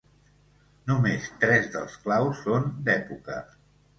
Només tres dels claus són d'època.